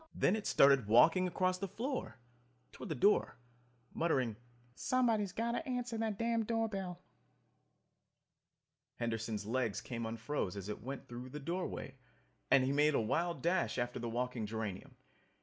Then it started walking across the floor, toward the door, muttering, "Somebody's got to answer that damned door bell." Henderson's legs came unfroze as it went through the doorway and he made a wild dash after the walking geranium.